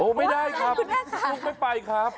ไม่ได้ครับมุกไม่ไปครับ